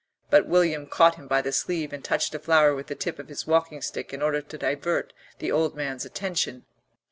But William caught him by the sleeve and touched a flower with the tip of his walking stick in order to divert the old man's attention.